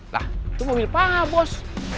lah itu mobil pak bos